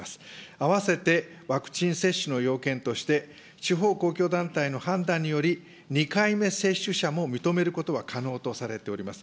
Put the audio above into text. あわせてワクチン接種の要件として、地方公共団体の判断により、２回目接種者も認めることは可能とされております。